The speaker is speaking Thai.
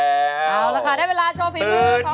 เอาล่ะค่ะได้เวลาโชว์ผิดมือของท่าน